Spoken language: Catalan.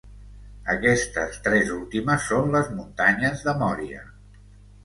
Aquestes tres últimes són les muntanyes de Mòria.